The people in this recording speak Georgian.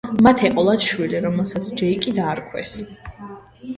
მათ ეყოლათ შვილი რომელსაც ჯეიკი დაარქვეს.